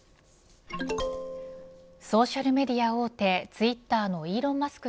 ソーシャルメディア大手ツイッターのイーロン・マスク